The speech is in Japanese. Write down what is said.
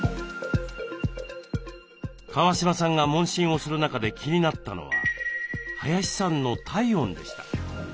川嶋さんが問診をする中で気になったのは林さんの体温でした。